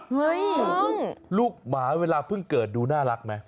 ลูกหมาเวลาเพิ่งเกิดดูน่ารักไหม